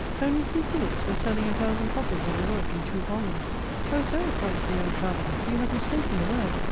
"Only three guineas for selling a thousand copies of a work in two volumes?" "O Sir!" (cries the young traveller) "you have mistaken the word.